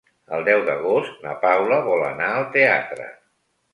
El deu d'agost na Paula vol anar al teatre.